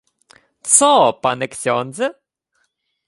— Цо, пане ксьондзе?